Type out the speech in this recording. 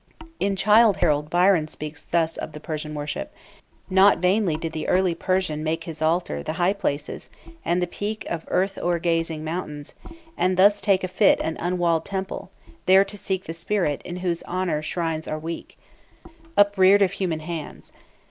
In "Childe Harold" Byron speaks thus of the Persian worship: "Not vainly did the early Persian make His altar the high places and the peak Of earth o'er gazing mountains, and thus take A fit and unwalled temple, there to seek The Spirit, in whose honor shrines are weak, Upreared of human hands.